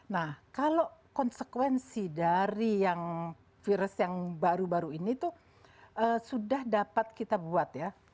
nah kalau konsekuensi dari yang virus yang baru baru ini tuh sudah dapat kita buat ya